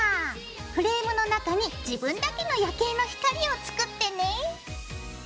フレームの中に自分だけの夜景の光を作ってね。